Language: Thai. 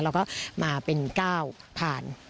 เราก็มาเป็นก้าวผ่าน